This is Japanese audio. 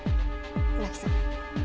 村木さん。